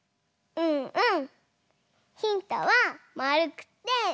うんうん。